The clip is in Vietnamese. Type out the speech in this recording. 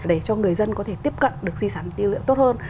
để cho người dân có thể tiếp cận được di sản tư liệu tốt hơn